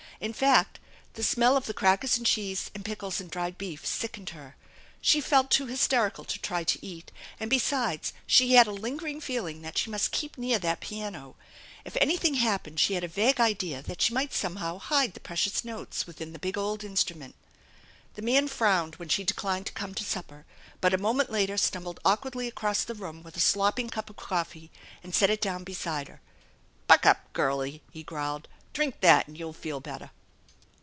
In fact, the smell or the crackers and cheese and pickles and dried beef sickened her. She felt too hysterical to try to eat, and besides she had a lingering feeling that she must keep near that piano. If anything happened she had a vague idea that she might somehow hide the precious notes within the big old instrument. The man frowned when she decUned to come to supper, but a moment later stumbled awkwardly across the room with a slopping cup of coffee and set it down beside her. " Buck up, girlie !" he growled. " Drink that and you'll feel better."